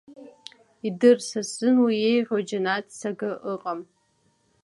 Идыр, са сзын уи еиӷьу џьанаҭ цага шыҟам!